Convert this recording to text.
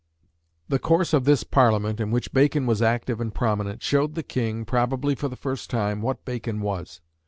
The course of this Parliament, in which Bacon was active and prominent, showed the King, probably for the first time, what Bacon was.